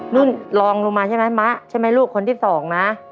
นุ่นลองลงมาใช่ไหมมะใช่ไหมลูกคนที่สองนะ